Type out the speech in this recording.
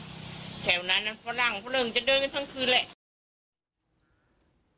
แถวนั้นอันฝรั่งพวกเราจะเดินกันทั้งคืนแหละ